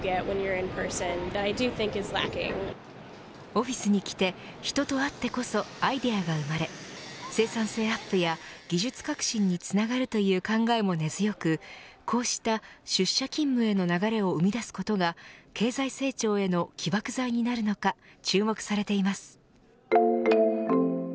オフィスに来て人と会ってこそアイデアが生まれ生産性アップや技術革新につながるという考えも根強くこうした出社勤務への流れを生み出すことが経済成長への起爆剤になるのか注目されています。